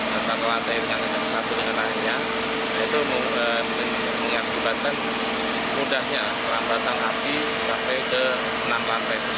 kepala dinas penanggulangan kejaksaan agung